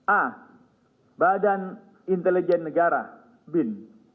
a badan intelijen negara bin